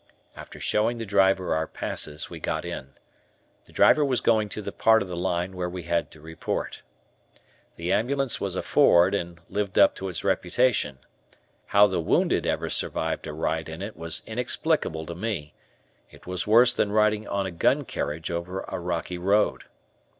After showing the driver our passes we got in. The driver was going to the part of the line where we had to report. The ambulance was a Ford and lived up to its reputation. How the wounded ever survived a ride in it was inexplicable to me. It was worse than riding on a gun carriage over a rocky road.